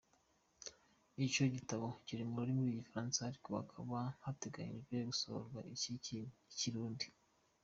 Ico gitabo kiri mu rurimi rw'igifaransa, ariko hakaba hategekanijwe gusohorwa n'ico ikirindu.